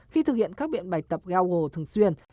khi thực hiện các biện bài tập giao gồ thường xuyên